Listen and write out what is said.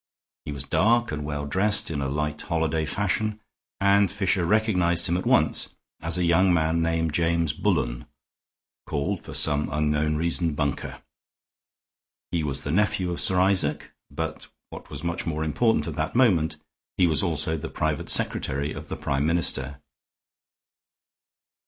He was dark and well dressed in a light holiday fashion, and Fisher recognized him at once as a young man named James Bullen, called, for some unknown reason, Bunker. He was the nephew of Sir Isaac; but, what was much more important at the moment, he was also the private secretary of the Prime Minister.